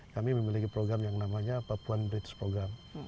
kami memiliki program yang namanya papuan bridge program